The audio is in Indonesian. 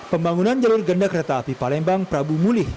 pembangunan jalur ganda kereta api palembang prabu mulih